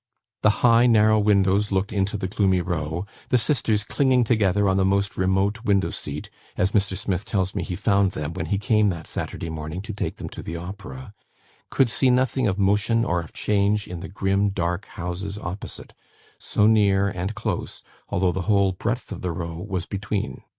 The high narrow windows looked into the gloomy Row; the sisters, clinging together on the most remote window seat, (as Mr. Smith tells me he found them, when he came, that Saturday evening, to take them to the Opera,) could see nothing of motion, or of change, in the grim, dark houses opposite, so near and close, although the whole breadth of the Row was between.